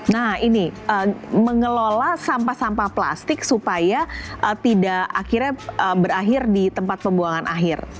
nah ini mengelola sampah sampah plastik supaya tidak akhirnya berakhir di tempat pembuangan akhir